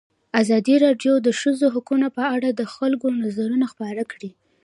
ازادي راډیو د د ښځو حقونه په اړه د خلکو نظرونه خپاره کړي.